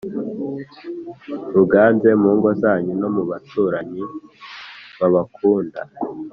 ruganze mu ngo zanyu no mubaturanyu babakunda